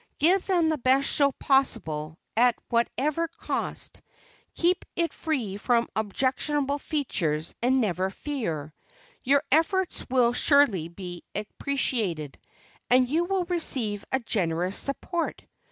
Give them the best show possible, at whatever cost; keep it free from objectionable features, and never fear; your efforts will surely be appreciated, and you will receive a generous support.